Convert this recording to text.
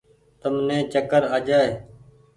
تم ني چڪر آ جآئي ۔